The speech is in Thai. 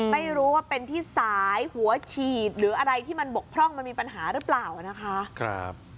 ไม่รู้ว่าเป็นที่สายหัวฉีดหรืออะไรที่มันบกพร่องมันมีปัญหาหรือเปล่านะคะ